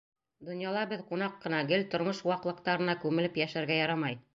Донъяла беҙ ҡунаҡ ҡына, гел тормош ваҡлыҡтарына күмелеп йәшәргә ярамай.